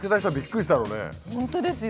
本当ですよ。